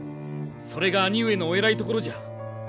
それが兄上のお偉いところじゃ。